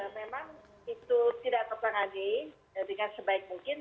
memang itu tidak terpengadi dengan sebaik mungkin